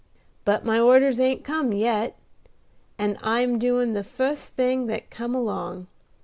But my orders ain't come yet, and I am doing the fust thing that come along.